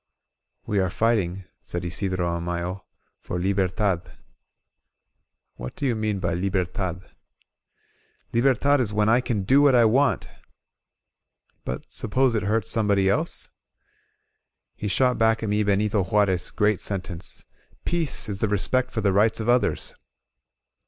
We are fighting," said Isidro Amayo, "for Liber tad." "What do you mean by Libertad?" "Libertad is when I can do what I wantT* "But suppose it hurts somebody else?" He shot back at me Benito Juarez' great sentence: "Peace is the respect for the rights of others